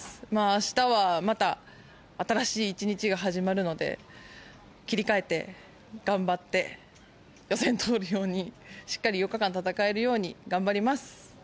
明日はまた新しい１日が始まるので切り替えて頑張って予選通るようにしっかり４日間、戦えるように頑張ります。